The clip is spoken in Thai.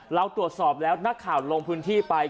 เราตรวจสอบแล้วนักข่าวลงพื้นที่ไป